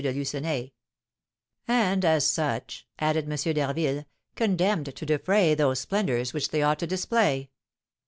de Lucenay. "And as such," added M. d'Harville, "condemned to defray those splendours which they ought to display."